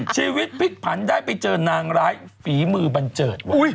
ชีวิตพลิกผันได้ไปเจอนางร้ายฝีมือบันเจิดว่ะ